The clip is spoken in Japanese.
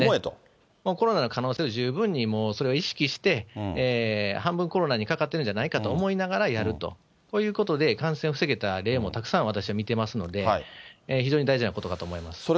コロナの可能性を十分に、それを意識して、半分コロナにかかってるんじゃないかと思いながらやるということで、感染を防げた例も、私はたくさん見ていますので、非常に大事なことかと思います。